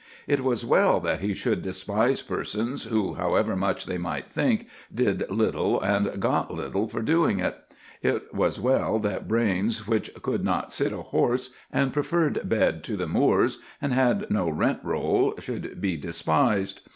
It was well that he should despise persons who, however much they might think, did little and got little for doing it. It was well that brains which could not sit a horse, and preferred bed to the moors, and had no rent roll, should be despised.